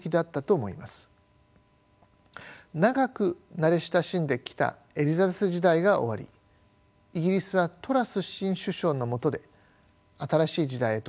長く慣れ親しんできたエリザベス時代が終わりイギリスはトラス新首相のもとで新しい時代へと突入することになります。